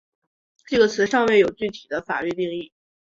这个词尚未有具体的法律定义。